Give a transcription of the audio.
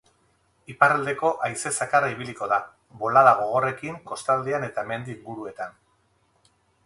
Iparraldeko haize zakarra ibiliko da, bolada gogorrekin kostaldean eta mendi inguruetan.